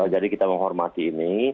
jadi kita menghormati ini